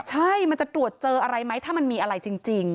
ใช่มันจะตรวจเจออะไรไหมถ้ามันมีอะไรจริง